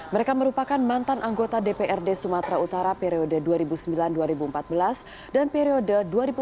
mereka merupakan mantan anggota dprd sumatera utara periode dua ribu sembilan dua ribu empat belas dan periode dua ribu empat belas dua ribu